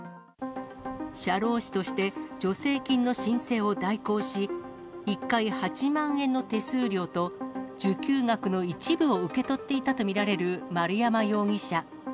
社労士として助成金の申請を代行し、１回８万円の手数料と受給額の一部を受け取っていたと見られる丸山容疑者。